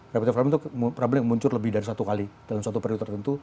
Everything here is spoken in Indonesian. rapid problem itu problem yang muncul lebih dari satu kali dalam satu periode tertentu